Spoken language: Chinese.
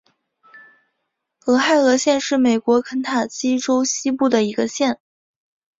俄亥俄县是美国肯塔基州西部的一个县。